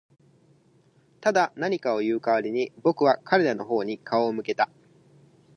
ただ、何かを言う代わりに、僕は彼らの方に顔を向けた。